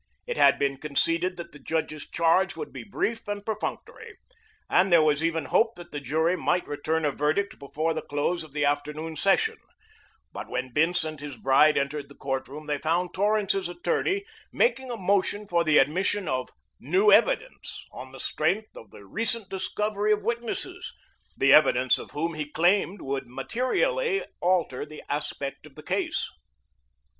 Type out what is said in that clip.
It had been conceded that the judge's charge would be brief and perfunctory, and there was even hope that the jury might return a verdict before the close of the afternoon session, but when Bince and his bride entered the court room they found Torrance's attorney making a motion for the admission of new evidence on the strength of the recent discovery of witnesses, the evidence of whom he claimed would materially alter the aspect of the case.